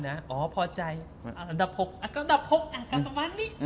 แต่กระทั่ว